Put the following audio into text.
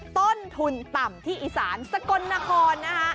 ต้นทุนต่ำที่อิสานสกนคร